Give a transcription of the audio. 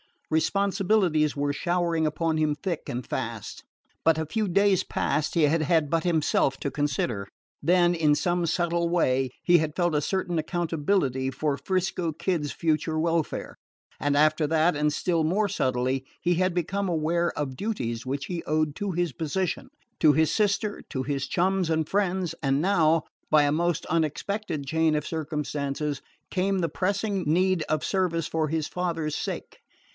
Responsibilities were showering upon him thick and fast. But a few days back he had had but himself to consider; then, in some subtle way, he had felt a certain accountability for 'Frisco Kid's future welfare; and after that, and still more subtly, he had become aware of duties which he owed to his position, to his sister, to his chums and friends; and now, by a most unexpected chain of circumstances, came the pressing need of service for his father's sake.